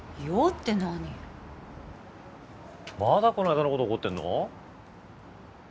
まだこないだのこと怒ってんの？